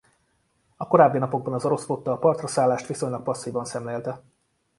A korábbi napokban az orosz flotta a partraszállást viszonylag passzívan szemlélte.